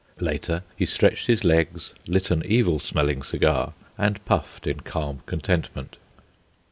Later he stretched his legs, lit an evil smelling cigar, and puffed in calm contentment.